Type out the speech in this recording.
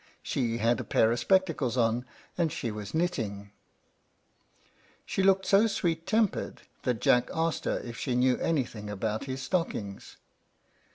She had a pair of spectacles on, and she was knitting. She looked so sweet tempered that Jack asked her if she knew anything about his stockings.